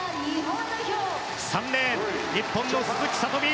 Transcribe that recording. ３レーン日本の鈴木聡美。